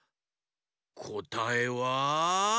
こたえは。